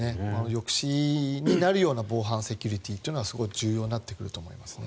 抑止になるような防犯セキュリティーというのはすごく重要になってくると思います。